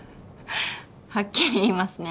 はっきり言いますね。